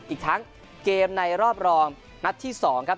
อีกทั้งเกมในรอบรองนัดที่๒ครับ